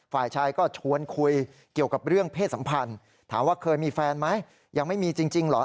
ฝ่ายชายก็ชวนคุยเกี่ยวกับเรื่องเพศสัมพันธ์ถามว่าเคยมีแฟนไหมยังไม่มีจริงเหรอ